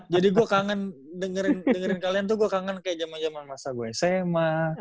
jadi gue kangen dengerin kalian tuh gue kangen kayak zaman zaman masa gue sma